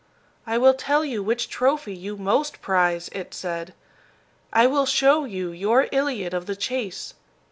"I will tell you which trophy you most prize," it said. "I will show you your Iliad of the chase.